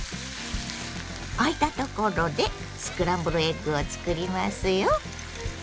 あいたところでスクランブルエッグを作りますよ。